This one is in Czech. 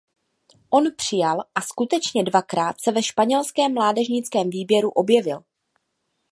On přijal a skutečně dvakrát se ve španělském mládežnickém výběru objevil.